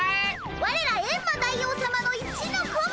ワレらエンマ大王さまの一の子分！